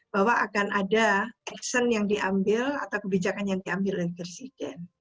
bahwa akan ada action yang diambil atau kebijakan yang diambil oleh presiden